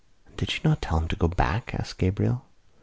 "And did you not tell him to go back?" asked Gabriel.